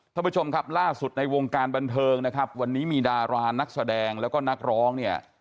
ท่านผู้ชมครับล่าสุดในวงการบันเทิงนะครับวันนี้มีดารานักแสดงแล้วก็นักร้องเนี่ย